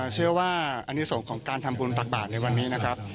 เชื่อว่าอันนี้ส่งของการทำบุญตักบาทในวันนี้นะครับ